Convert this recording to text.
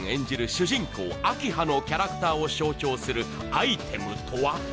主人公明葉のキャラクターを象徴するアイテムとは？